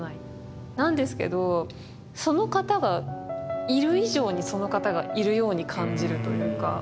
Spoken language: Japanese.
なんですけどその方がいる以上にその方がいるように感じるというか。